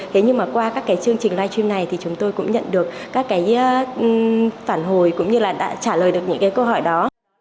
thế nhưng mà qua các cái chương trình live stream này thì chúng tôi cũng nhận được các cái phản hồi cũng như là đã trả lời được những cái câu hỏi đó